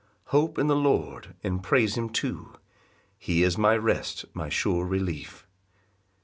Hope in the Lord, and praise him too, He is my rest, my sure relief.